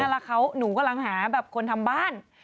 แล้วหนูกำลังหาแบบคนทำบ้าน